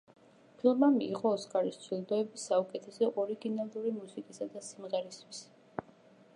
ფილმმა მიიღო ოსკარის ჯილდოები საუკეთესო ორიგინალური მუსიკისა და სიმღერისთვის.